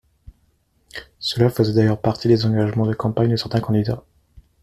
Cela faisait d’ailleurs partie des engagements de campagne de certains candidats.